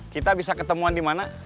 kita bisa ketemuan di mana